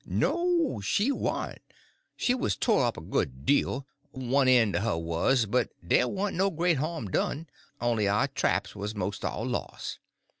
"No, she warn't. She was tore up a good deal—one en' of her was; but dey warn't no great harm done, on'y our traps was mos' all los'.